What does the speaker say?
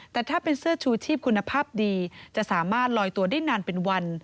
แต่ถ้าเป็นเสื้อชูชีพคุณภาพดีจะสามารถลอยตัวได้นานเป็นวัน